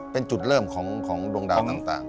เป็นจุดเริ่มของดวงดาวต่าง